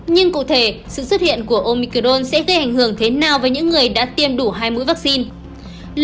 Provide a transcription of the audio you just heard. nhưng cụ thể sự xuất hiện của omicron sẽ gây ảnh hưởng thế nào với những người đã tiêm đủ hai mũi vaccine